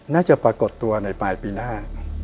น่าจะปรากฏตัวในปลายปีหน้า